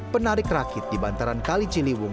penarik rakit di bantaran kali ciliwung